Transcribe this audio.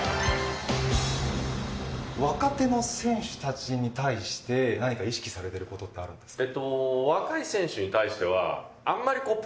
若手の選手たちに対して何か意識されていることってあるんですか。